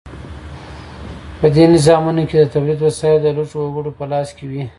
په دې نظامونو کې د تولید وسایل د لږو وګړو په لاس کې وي.